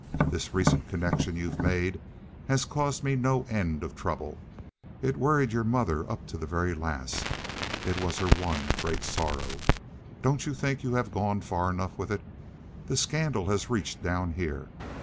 This recent connection you've made has caused me no end of trouble. It worried your mother up to the very last. It was her one great sorrow. Don't you think you have gone far enough with it? The scandal has reached down here.